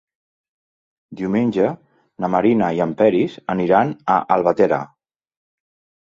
Diumenge na Mireia i en Peris aniran a Albatera.